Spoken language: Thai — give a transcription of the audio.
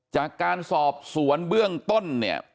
จากการสอบสวนเบื้องต้นเนี่ย